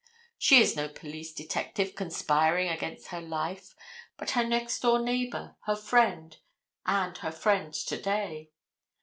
She is no police detective conspiring against her life, but her next door neighbor, her friend, and her friend to day.